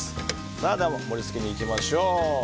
盛り付けにいきましょう。